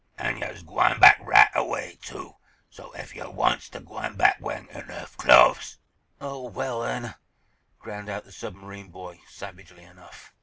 An' yo's gwine back right away, too, so, ef yo' wants ter gwine back weahin' ernuff clo'es—" "Oh, well, then—!" ground out the submarine boy, savagely enough.